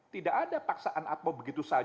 tidak ada paksaan atau begitu saja